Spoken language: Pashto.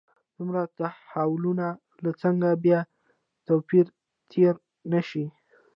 دومره تحولونو له څنګه بې توپیره تېر نه شي.